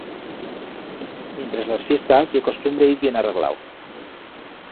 Mientres las fiestas ye costumbre ir bien arreglau.